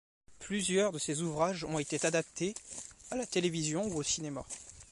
Plusieurs de ses ouvrages ont été adaptés à la télévision ou au cinéma.